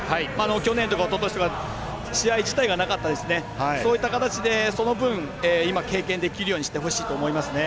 去年とかおととしは試合自体がなかったですからそういった形でその分今経験できるようにしてほしいと思いますね。